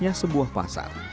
layaknya sebuah pasar